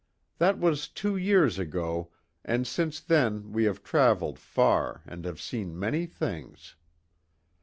That was two years ago and since then we have traveled far and have seen many things.